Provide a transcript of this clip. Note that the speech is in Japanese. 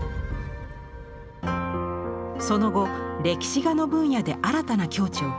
その後歴史画の分野で新たな境地を切り開きます。